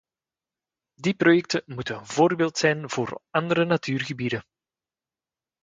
Die projecten moeten een voorbeeld zijn voor andere natuurgebieden.